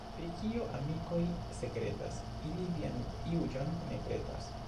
Pri kio amikoj sekretas, ili vian juĝon ne petas.